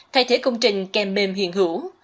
thay thế không trình kè mềm hiện hữu